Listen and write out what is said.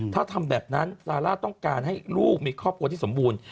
ถ้าทำแบบนั้นซาร่าต้องการให้ลูกมีครอบครัวที่สมบูรณ์